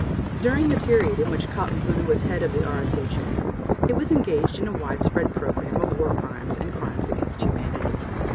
During the period in which Kaltenbrunner was Head of the RSHA, it was engaged in a widespread program of War Crimes and Crimes against Humanity.